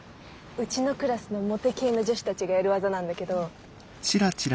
うちのクラスのモテ系の女子たちがやる技なんだけど。